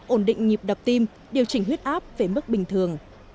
ổn định nhịp đập tim điều chỉnh huyết áp về mức bình thường